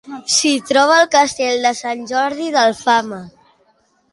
S'hi troba el Castell de Sant Jordi d'Alfama.